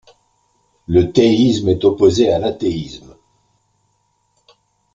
Le théisme est opposé à l'athéisme.